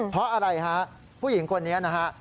เพราะอะไรฮะผู้หญิงคนนี้นะฮะ